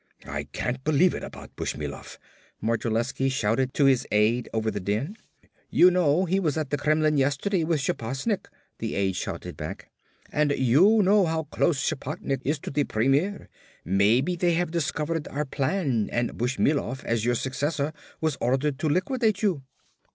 "I can't believe it about Bushmilov," Modrilensky shouted to his aide over the din. "You know he was at the Kremlin yesterday with Shaposnik," the aide shouted back. "And you know how close Shaposnik is to the Premier. Maybe they have discovered our plan and Bushmilov, as your successor, was ordered to liquidate you!"